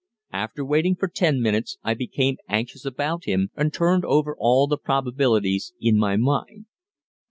After waiting for ten minutes I became anxious about him, and turned over all the probabilities in my mind.